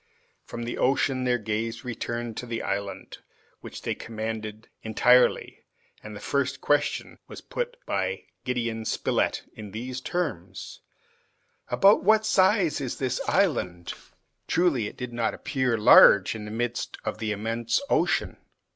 From the ocean their gaze returned to the island which they commanded entirely, and the first question was put by Gideon Spilett in these terms: "About what size is this island?" Truly, it did not appear large in the midst of the immense ocean.